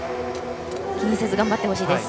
気にせず頑張ってほしいです。